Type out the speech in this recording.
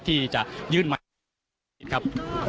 ที่จะยื่นใหม่ครับ